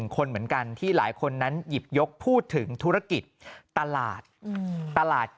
คนเหมือนกันที่หลายคนนั้นหยิบยกพูดถึงธุรกิจตลาดตลาด